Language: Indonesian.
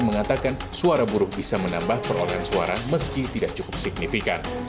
mengatakan suara buruh bisa menambah perolehan suara meski tidak cukup signifikan